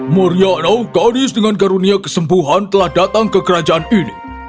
muriano gadis dengan karunia kesembuhan telah datang ke kerajaan ini